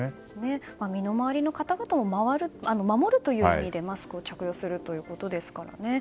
身の回りの方々を守るという意味でマスクを着用するということですからね。